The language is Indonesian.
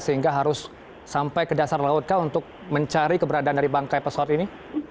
sehingga harus sampai ke dasar laut kah untuk mencari keberadaan dari bangkai pesawat ini